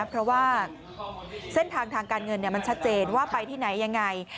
เพราะว่าเส้นทางทางการเงินมันชัดเจนว่าไปที่ไหนยังไง